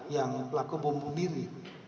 yang pelaku bumbung diri